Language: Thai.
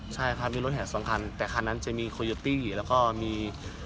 ใช่ครับมีรถแห่สองคันแต่คันนั้นจะมีโคโยตี้แล้วก็มี